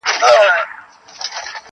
د دنیا وروستۍ شېبې وروستی ساعت دی -